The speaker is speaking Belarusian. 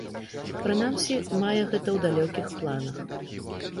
Прынамсі, мае гэта ў далёкіх планах.